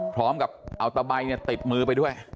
พร้อมกับเอาตะใบเนี่ยติดมือไปด้วย